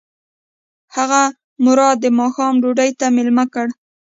هغه مراد د ماښام ډوډۍ ته مېلمه کړ.